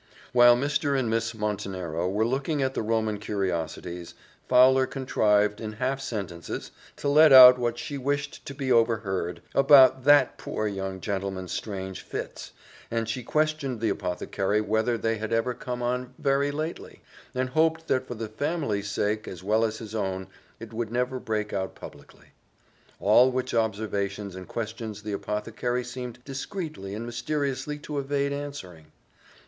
While Mr. and Miss Montenero were looking at the Roman curiosities, Fowler contrived, in half sentences, to let out what she wished to be overheard about that poor young gentleman's strange fits; and she questioned the apothecary whether they had come on ever very lately, and hoped that for the family's sake, as well as his own, it would never break out publicly. All which observations and questions the apothecary seemed discreetly and mysteriously to evade answering.